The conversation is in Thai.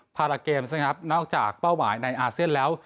พาราเกมส์นะครับนอกจากเป้าหมายในอาเซียนแล้ว